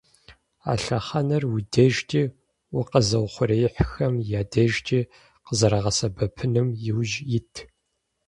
А лъэхъэнэр уи дежкӀи укъэзыухъуреихьхэм я дежкӀи къызэрыбгъэсэбэпыным иужь ит.